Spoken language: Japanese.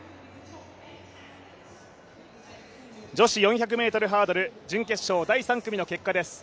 女子４００ｍハードル準決勝第３組の結果です。